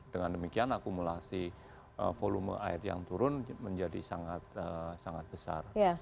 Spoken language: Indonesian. dengan demikian akumulasi volume air yang turun menjadi sangat besar